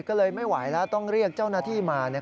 ก็เลยไม่ไหวแล้วต้องเรียกเจ้าหน้าที่มา